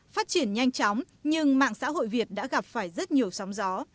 phát triển nhanh chóng nhưng mạng xã hội việt đã gặp phải rất nhiều sóng gió